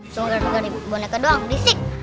semoga bukan boneka doang disek